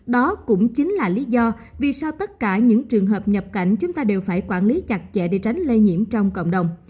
đó cũng chính là lý do vì sao tất cả những trường hợp nhập cảnh chúng ta đều phải quản lý chặt chẽ để tránh lây nhiễm trong cộng đồng